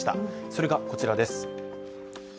それがこちらです。